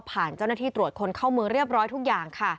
เจ้าหน้าที่ตรวจคนเข้าเมืองเรียบร้อยทุกอย่างค่ะ